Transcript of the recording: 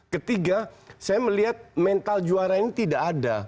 ketiga saya melihat mental juara ini tidak ada